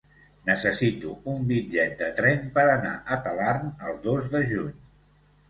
Necessito un bitllet de tren per anar a Talarn el dos de juny.